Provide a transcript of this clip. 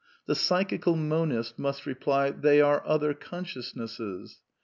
The Psychical Monist must reply — They are other consciousnesses.